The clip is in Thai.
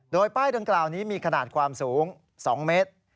โดยป้ายดังกล่าวนี้มีขนาดความสูง๒เมตร